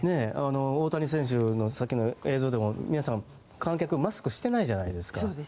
大谷選手のさっきの映像でも皆さん、観客はマスクしてないじゃないですか。